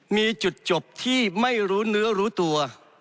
มีจุดจบที่ไม่รู้เนื้อรู้ตัว